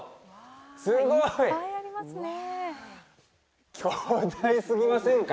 すごい巨大すぎませんか？